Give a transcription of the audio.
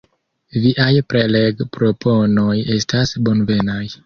Viaj prelegproponoj estas bonvenaj.